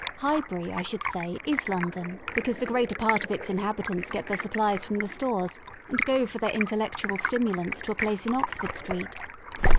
Highbury, I should say, is London, because the greater part of its inhabitants get their *^ supplies" from The Stores, and go for their intellectual stimulants to a place in Oxford Street.